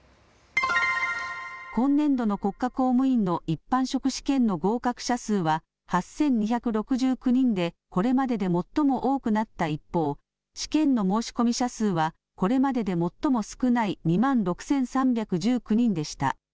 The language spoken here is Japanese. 今年度の国家公務員の一般職試験の合格者数は８２６９人でこれまでで最も多くなった一方試験の申込者数はこれまでで最も少ない２万６３１９人でした。